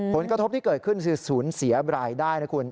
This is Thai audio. ผลกระทบที่เกิดขึ้นคือศูนย์เสียบรายได้นะคุณ